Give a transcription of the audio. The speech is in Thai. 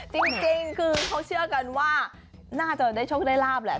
จริงคือเขาเชื่อกันว่าน่าจะได้โชคได้ลาบแหละ